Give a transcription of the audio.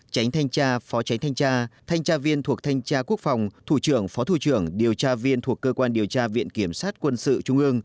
tránh thanh tra phó tránh thanh tra thanh tra viên thuộc thanh tra quốc phòng thủ trưởng phó thủ trưởng điều tra viên thuộc cơ quan điều tra viện kiểm sát quân sự trung ương